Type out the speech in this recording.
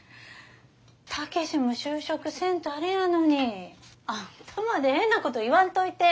武志も就職せんとあれやのにあんたまで変なこと言わんといて。